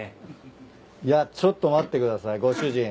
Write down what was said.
いやちょっと待ってくださいご主人。